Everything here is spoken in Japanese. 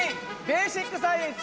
「ベーシックサイエンス」